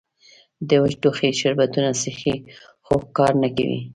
د وچ ټوخي شربتونه څښي خو کار نۀ کوي